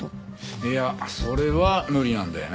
いやそれは無理なんだよね。